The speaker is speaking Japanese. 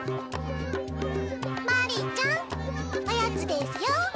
マリちゃんおやつですよ。